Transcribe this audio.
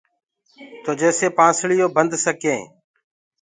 تو جيڪسي پانسݪيونٚ ٻنَد سڪين۔